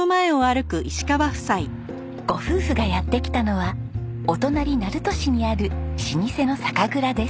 ご夫婦がやって来たのはお隣鳴門市にある老舗の酒蔵です。